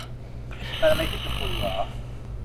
เกิดอะไรขึ้นกับคุณหรอ